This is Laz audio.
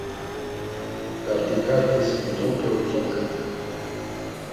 K̆arti ǩartis mutonpe utzomert̆ey.